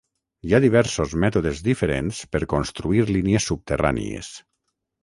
Hi ha diversos mètodes diferents per construir línies subterrànies.